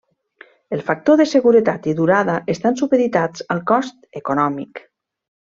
El factor de seguretat i durada estan supeditats al cost econòmic.